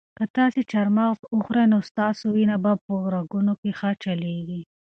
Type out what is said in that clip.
که تاسي چهارمغز وخورئ نو ستاسو وینه به په رګونو کې ښه چلیږي.